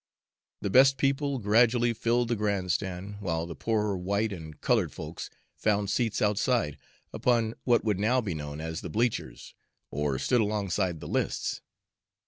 The best people gradually filled the grand stand, while the poorer white and colored folks found seats outside, upon what would now be known as the "bleachers," or stood alongside the lists.